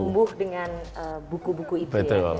tumbuh dengan buku buku itu ya